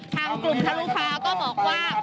ทางกลุ่มทะลุฟ้าก็บอกว่า